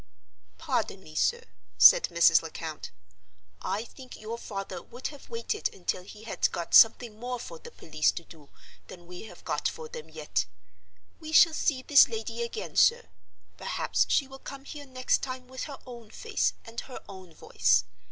"Pardon me, sir," said Mrs. Lecount, "I think your father would have waited until he had got something more for the police to do than we have got for them yet. We shall see this lady again, sir. Perhaps she will come here next time with her own face and her own voice.